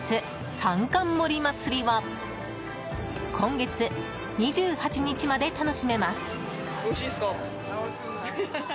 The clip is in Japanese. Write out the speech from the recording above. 三貫盛祭は今月２８日まで楽しめます。